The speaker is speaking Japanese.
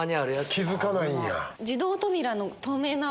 気付かないんや。